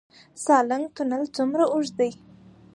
سالنګ تونل څومره اوږد دی؟